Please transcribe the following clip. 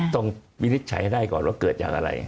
ต้องมินิจฉัยให้ได้ก่อนว่าเกิดอย่างอะไร